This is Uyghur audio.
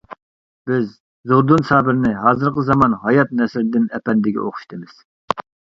بىز زوردۇن سابىرنى ھازىرقى زامان ھايات نەسىردىن ئەپەندىگە ئوخشىتىمىز.